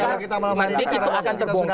nanti itu akan terbongkar